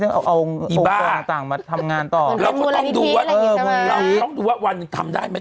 ดีมากเอาองค์กว่าต่างมาทำงานต่อวันหนึ่งทำได้มั้ย